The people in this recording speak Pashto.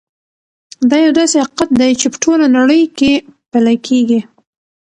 دا یو داسې حقیقت دی چې په ټوله نړۍ کې پلی کېږي.